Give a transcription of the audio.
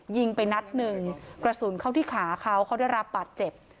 ยิงไปนัดหนึ่งกระสุนเข้าที่ขาเขาเขาได้รับบาดเจ็บ